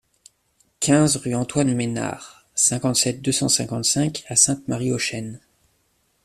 quinze rue Antoine Ménard, cinquante-sept, deux cent cinquante-cinq à Sainte-Marie-aux-Chênes